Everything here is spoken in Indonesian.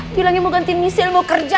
bilangin mau gantiin michelle mau kerja